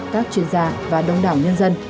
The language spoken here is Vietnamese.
các chuyên gia và đông đảo nhân dân